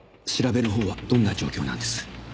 調べのほうはどんな状況なんです？